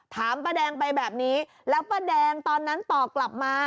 ป้าแดงไปแบบนี้แล้วป้าแดงตอนนั้นตอบกลับมา